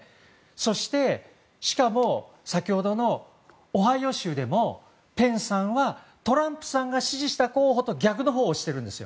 そして、しかも先ほどのオハイオ州でもペンスさんはトランプさんが支持した候補と逆のほうを推してるんです。